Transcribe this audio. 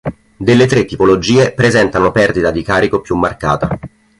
Delle tre tipologie presentano perdita di carico più marcata.